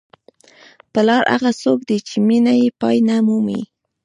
پلار هغه څوک دی چې مینه یې پای نه مومي.